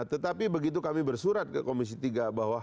nah tetapi begitu kami bersurat ke komisi tiga bahwa harus ada perbedaan